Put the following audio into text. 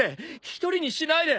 一人にしないで！